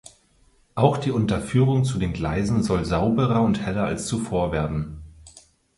Auch die Unterführung zu den Gleisen soll sauberer und heller als zuvor werden.